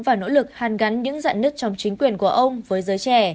và nỗ lực hàn gắn những giặn nứt trong chính quyền của ông với giới trẻ